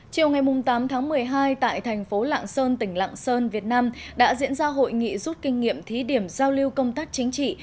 chiều ngày tám tháng một mươi hai tại thành phố lạng sơn tỉnh lạng sơn việt nam đã diễn ra hội nghị rút kinh nghiệm thí điểm giao lưu công tác chính trị